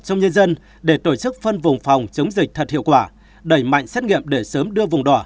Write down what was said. trong nhân dân để tổ chức phân vùng phòng chống dịch thật hiệu quả đẩy mạnh xét nghiệm để sớm đưa vùng đỏ